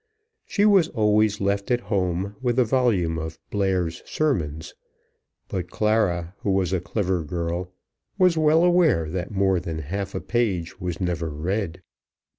She was always left at home with a volume of Blair's Sermons; but Clara, who was a clever girl, was well aware that more than half a page was never read.